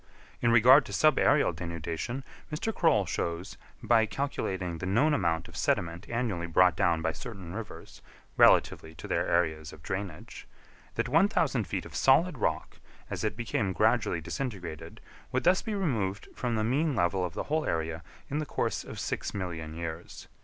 In regard to subaërial denudation, Mr. Croll shows, by calculating the known amount of sediment annually brought down by certain rivers, relatively to their areas of drainage, that 1,000 feet of solid rock, as it became gradually disintegrated, would thus be removed from the mean level of the whole area in the course of six million years.